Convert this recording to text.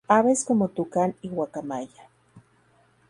Aves como tucán y guacamaya.